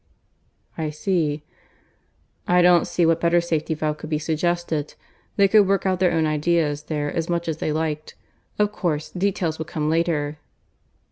"I see." "I don't see what better safety valve could be suggested. They could work out their own ideas there as much as they liked. Of course, details would come later."